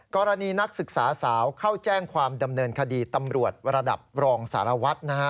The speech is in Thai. นักศึกษาสาวเข้าแจ้งความดำเนินคดีตำรวจระดับรองสารวัตร